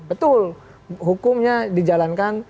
betul hukumnya dijalankan